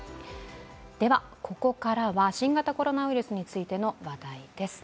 ここからは新型コロナウイルスについての話題です。